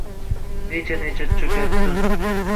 Necha-necha cho’kar tun.